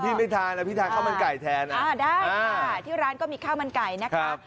พี่ไม่ทานพี่ทานข้าวมันไก่แทนได้ค่ะที่ร้านก็มีข้าวมันไก่นะคะ